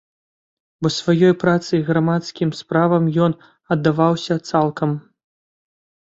Бо сваёй працы і грамадскім справам ён аддаваўся цалкам.